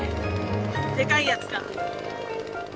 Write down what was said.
でかいやつが。